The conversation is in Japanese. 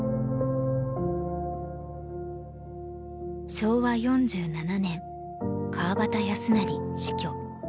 昭和４７年川端康成死去。